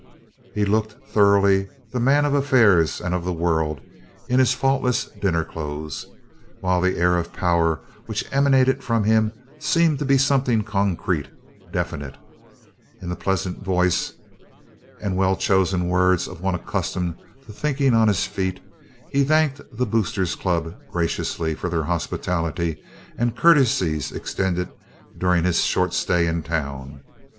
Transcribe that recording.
He looked thoroughly the man of affairs and of the world in his faultless dinner clothes, while the air of power which emanated from him seemed to be something concrete definite. In the pleasant voice and well chosen words of one accustomed to thinking on his feet, he thanked the Boosters Club graciously for their hospitality and courtesies extended during his short stay in the town.